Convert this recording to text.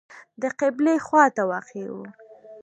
د قبلې خواته واقع و.